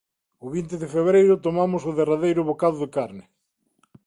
O vinte de febreiro tomamos o derradeiro bocado de carne.